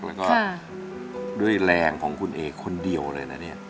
แล้วก็ด้วยแรงของคุณเอคนเดียวเลยนะเนี่ย